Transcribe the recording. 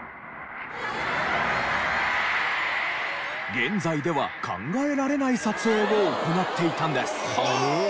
現在では考えられない撮影を行っていたんです。